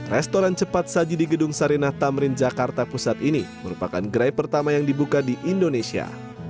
restoran cepat saji di gedung sarinah tamrin jakarta pusat ini merupakan gerai pertama yang dibuka di indonesia